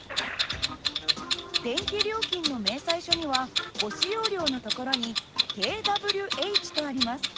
電気料金の明細書にはご使用量のところにｋＷｈとあります。